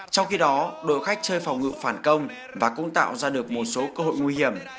trong khi đó đội khách chơi phòng ngự phản công và cũng tạo ra được một số cơ hội nguy hiểm